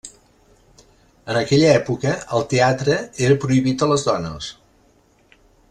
En aquella època, el teatre era prohibit a les dones.